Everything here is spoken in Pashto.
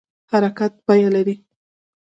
حرکت بیه لري